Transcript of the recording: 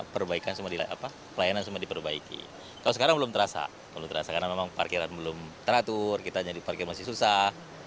pelayanan semua diperbaiki kalau sekarang belum terasa karena memang parkiran belum teratur kita jadi parkir masih susah